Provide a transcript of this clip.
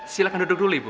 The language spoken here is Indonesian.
silahkan duduk dulu ibu